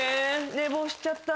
寝坊しちゃった。